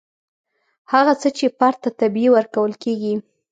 هغه څه چې فرد ته طبیعي ورکول کیږي.